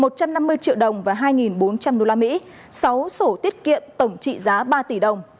một trăm năm mươi triệu đồng và hai bốn trăm linh usd sáu sổ tiết kiệm tổng trị giá ba tỷ đồng